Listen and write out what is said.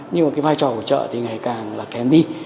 nhưng mà vai trò của trợ thì ngày càng là kém đi